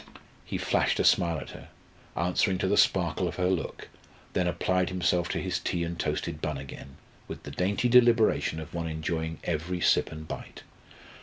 He flashed a smile at her, answering to the sparkle of her look, then applied himself to his tea and toasted bun again, with the dainty deliberation of one enjoying every sip and bite.